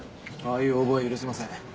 ああいう横暴は許せません。